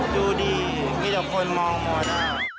ดูดิมีเดี๋ยวคนมองหมดอ่ะ